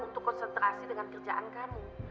untuk konsentrasi dengan kerjaan kami